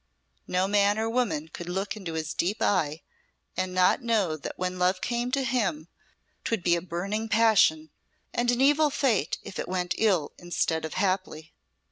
No man or woman could look into his deep eye and not know that when love came to him 'twould be a burning passion, and an evil fate if it went ill instead of happily.